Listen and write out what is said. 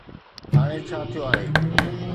هاڻي ڇا ٿيو آهي؟